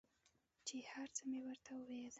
چې هر څه مې ورته وويل.